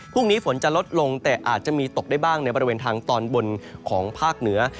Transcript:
พรุ่งนี้ฝนจะลดลงแต่อาจจะมีตกได้บ้างในบริเวณทางตอนบนของภาคเหนือ